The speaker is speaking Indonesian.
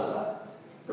kalau tiga puluh juta